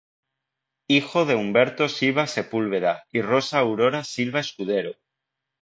Hijo de Humberto Silva Sepúlveda y Rosa Aurora Silva Escudero.